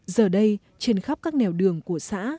giờ đây trên khắp các nèo đường của xã